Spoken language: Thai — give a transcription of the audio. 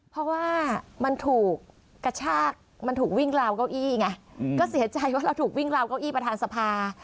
เพราะว่ามันถูกกระชากมันถูกวิ่งราวเก้าอี้ไงก็เสียใจว่าเราถูกวิ่งราวเก้าอี้ประธานสภา